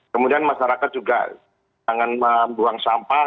kemudian masyarakat juga jangan membuang sampah